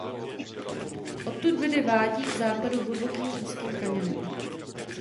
Odtud vede vádí k západu hlubokým úzkým kaňonem.